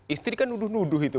istri kan nuduh nuduh itu